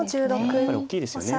やっぱり大きいですよね